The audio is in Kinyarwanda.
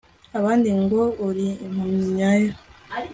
abandi ngo uri impumyi nyayo